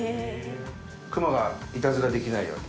クマがイタズラできないように。